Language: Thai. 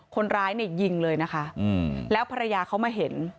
คนร้ายเนี่ยยิงเลยนะคะแล้วภรรยาเขามาเห็น